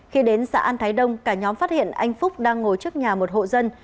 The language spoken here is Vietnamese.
khi đến xã an thái đông cả nhóm phát hiện anh phúc đang ngồi trước nhà một hộ dân